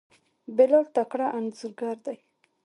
بلال تکړه انځورګر دی.